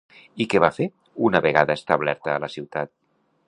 I què va fer, una vegada establerta a la ciutat?